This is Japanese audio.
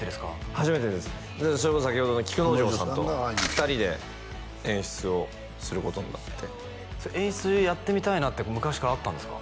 初めてですそれこそ先ほどの菊之丞さんと２人で演出をすることになって演出やってみたいなって昔からあったんですか？